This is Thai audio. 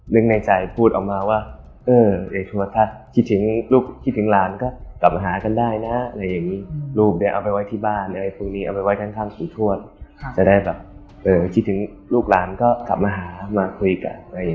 คุณในใจพูดออกมาว่าเอ่อตะใชันนึกถึงลูกครูคถึงลานก็กลับมาหากันได้นะ